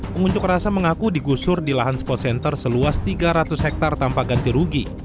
pengunjuk rasa mengaku digusur di lahan spot center seluas tiga ratus hektare tanpa ganti rugi